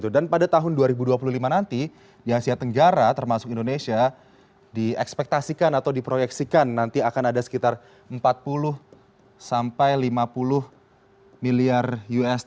dan pada tahun dua ribu dua puluh lima nanti di asia tenggara termasuk indonesia di ekspektasikan atau diproyeksikan nanti akan ada sekitar empat puluh sampai lima puluh miliar usd